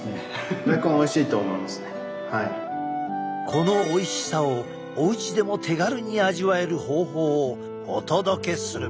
このおいしさをおうちでも手軽に味わえる方法をお届けする！